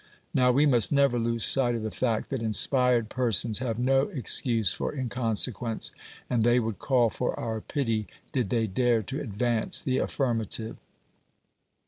Now, we must never lose sight of the fact that inspired persons have no excuse for inconsequence; and they would call for our pity did they dare to advance the afifirmative.